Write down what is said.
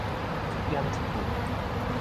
一點一揬